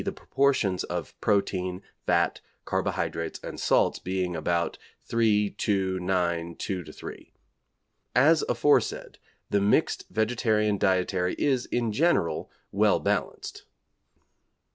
_, the proportions of protein, fat, carbohydrates and salts being about 3, 2, 9, 2 3. As aforesaid, the mixed vegetarian dietary is, in general, well balanced.